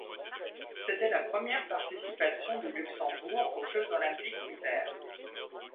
C'était la première participation du Luxembourg aux Jeux olympiques d'hiver.